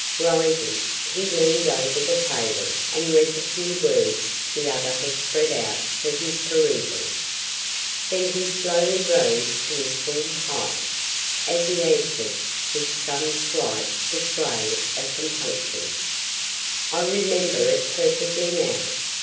Rising, he leaned over the table and read the few words the other had spread out for his perusal. Then he slowly rose to his full height, as he answered, with some slight display of compunction: "I remember it perfectly now.